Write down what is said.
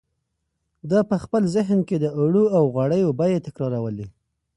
ده په خپل ذهن کې د اوړو او غوړیو بیې تکرارولې.